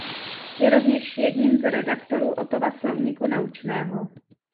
Je rovněž jedním z redaktorů Ottova slovníku naučného.